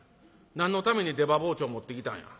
何のために出刃包丁持ってきたんや。